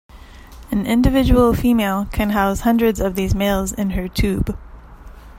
An individual female can house hundreds of these males in her tube.